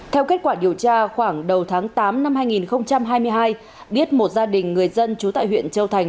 theo kết quả điều tra khoảng đầu tháng tám năm hai nghìn hai mươi hai biết một gia đình người dân trú tại huyện châu thành